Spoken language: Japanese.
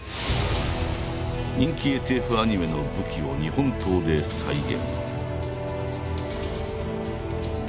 人気ＳＦアニメの武器を日本刀で再現。